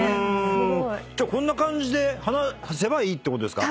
じゃあこんな感じで話せばいいってことですか？